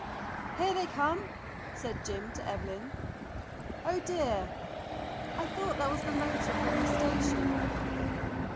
"Here they come!" said Jim to Evelyn. "Oh, dear, I thought that was the motor from the station."